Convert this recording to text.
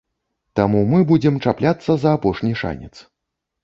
Таму мы будзем чапляцца за апошні шанец.